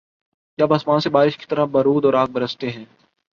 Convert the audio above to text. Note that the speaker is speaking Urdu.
جب آسمان سے بارش کی طرح بارود اور آگ‘ برستے ہیں۔